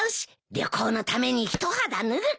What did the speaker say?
旅行のために一肌脱ぐか！